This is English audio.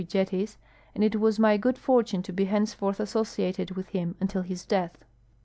jetties, and it was my good fortune to 1 >e henceforth associated Avith him until his death.